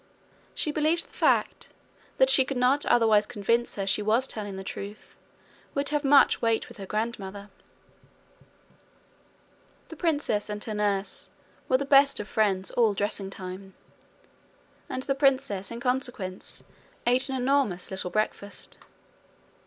She believed the fact that she could not otherwise convince her she was telling the truth would have much weight with her grandmother. The princess and her nurse were the best of friends all dressing time, and the princess in consequence ate an enormous little breakfast.